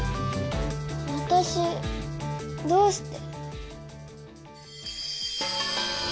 わたしどうして？